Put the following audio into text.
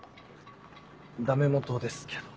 ダメもとですけど。